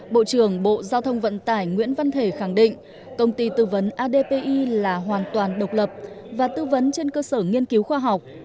bộ trưởng bộ giao thông vận tải nguyễn văn thể khẳng định công ty tư vấn adpi là hoàn toàn độc lập và tư vấn trên cơ sở nghiên cứu khoa học